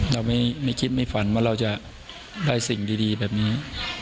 เราไม่คิดไม่ฝันว่าเราจะได้สิ่งดีแบบนี้